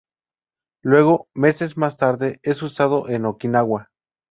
Luego, meses más tarde es usado en Okinawa.